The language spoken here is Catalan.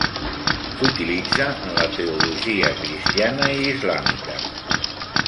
S'utilitza en la teologia cristiana i islàmica.